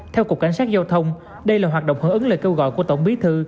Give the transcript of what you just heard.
theo cục cảnh sát giao thông đây là hoạt động hưởng ứng lời kêu gọi của tổng bí thư